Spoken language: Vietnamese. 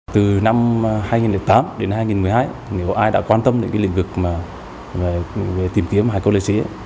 từ năm hai nghìn tám đến hai nghìn một mươi hai nếu ai đã quan tâm đến lĩnh vực về tìm kiếm hải cốt liệt sĩ